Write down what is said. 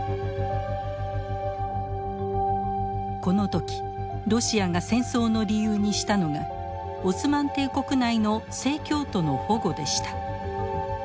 この時ロシアが戦争の理由にしたのがオスマン帝国内の正教徒の保護でした。